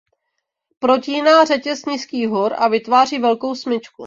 Protíná řetěz nízkých hor a vytváří velkou smyčku.